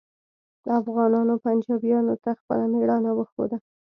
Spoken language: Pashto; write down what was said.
افغانانو پنجابیانو ته خپله میړانه وښوده